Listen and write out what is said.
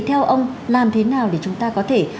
theo ông làm thế nào để chúng ta có thể